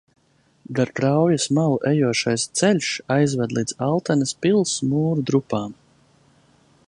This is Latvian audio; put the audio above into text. Gar kraujas malu ejošais ceļš aizved līdz Altenes pils mūru drupām.